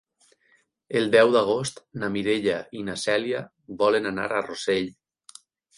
El deu d'agost na Mireia i na Cèlia volen anar a Rossell.